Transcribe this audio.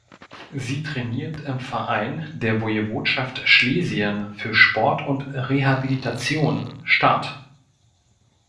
Sie trainiert im Verein der Wojewodschaft Schlesien für Sport und Rehabilitation "Start".